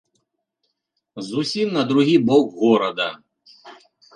Зусім на другі бок горада.